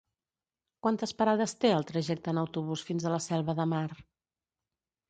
Quantes parades té el trajecte en autobús fins a la Selva de Mar?